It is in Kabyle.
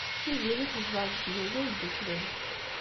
Tiziri tezdeɣ deg Tgelda Yedduklen.